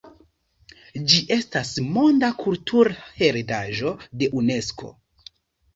Ĝi estas Monda Kulturheredaĵo de Unesko.